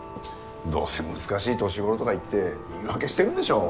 どうせ難しい年頃とか言って言い訳してるんでしょ？